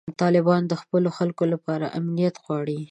طالبان د خپلو خلکو لپاره امنیت غواړي.